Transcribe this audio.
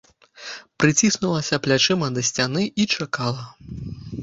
Прыціснулася плячыма да сцяны і чакала.